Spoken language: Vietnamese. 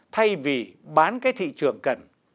thay vì bán cái thị trường cần